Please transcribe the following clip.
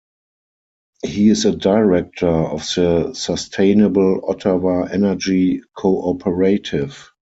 He is a director of the Sustainable Ottawa Energy Co-operative.